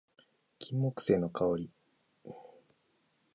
金木犀の香り